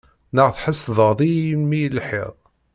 Neɣ tḥesdeḍ-iyi imi i lhiɣ?